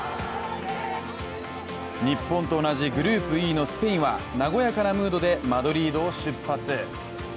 日本と同じグループＥのスペインは和やかなムードでマドリードを出発。